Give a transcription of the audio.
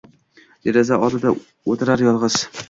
Deraza oldida o’ltirar yolg’iz.